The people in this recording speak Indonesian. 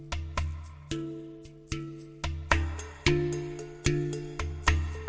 sekiranya itu keluar